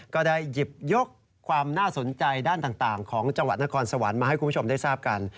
ก็ได้หยิบยกความน่าสนใจด้านต่างของจังหวัดนครสวรรค์มาให้คุณผู้ชมได้ทราบกัน